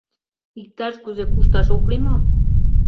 — Иктаж-кузе кушташ ок лий мо?